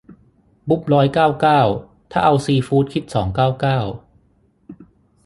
บุฟร้อยเก้าเก้า ถ้าเอาซีฟู้ดคิดสองเก้าเก้า